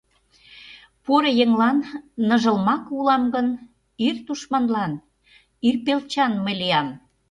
Поро еҥлан ныжыл маке улам гын, Ир тушманлан ирпелчан мый лиям.